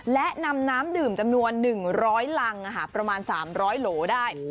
และนำน้ำดื่มจำนวนหนึ่งร้อยลังประมาณสามร้อยโหลได้